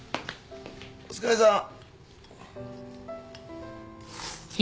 お疲れさん。